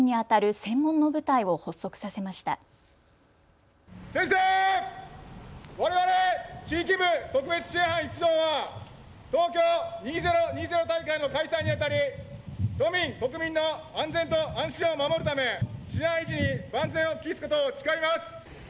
宣誓、われわれ地域部特別支援班一同は東京都２０２０大会の開催にあたり都民、国民の安全安心を守るため万全を期すことを誓います。